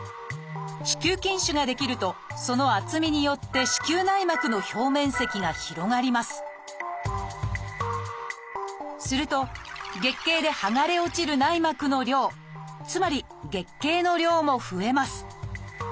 子宮筋腫が出来るとその厚みによって子宮内膜の表面積が広がりますすると月経ではがれ落ちる内膜の量つまり月経の量も増えます。